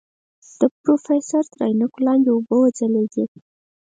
د پروفيسر تر عينکو لاندې اوبه وځلېدې.